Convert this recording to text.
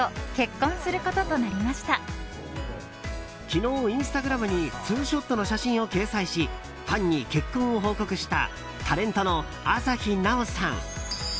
昨日、インスタグラムにツーショットの写真を掲載しファンに結婚を報告したタレントの朝日奈央さん。